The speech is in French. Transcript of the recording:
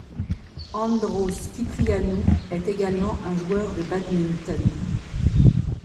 Ándros Kyprianoú est également un joueur de badminton.